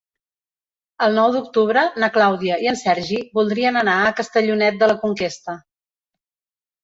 El nou d'octubre na Clàudia i en Sergi voldrien anar a Castellonet de la Conquesta.